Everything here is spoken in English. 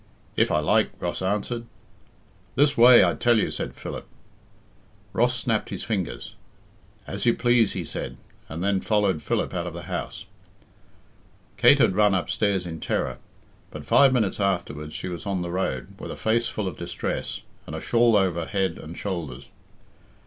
"If I like," Ross answered. "This way, I tell you," said Philip. Ross snapped his fingers. "As you please," he said, and then followed Philip out of the house. Kate had run upstairs in terror, but five minutes afterwards she was on the road, with a face full of distress, and a shawl over head and shoulders.